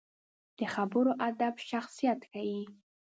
د خبرو ادب شخصیت ښيي